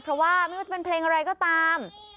เพราะว่าไม่ว่าจะเป็นเพลงอะไรก็ตาม